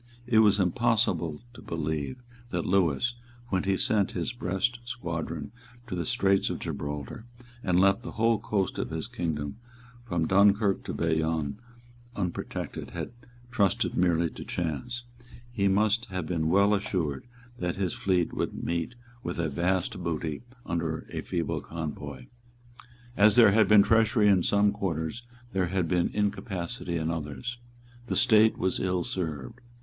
It was impossible to believe that Lewis, when he sent his Brest squadron to the Straits of Gibraltar, and left the whole coast of his kingdom from Dunkirk to Bayonne unprotected, had trusted merely to chance. He must have been well assured that his fleet would meet with a vast booty under a feeble convoy. As there had been treachery in some quarters, there had been incapacity in others. The State was ill served.